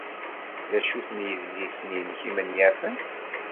D acu-ten yidlisen-nnek imenyafen?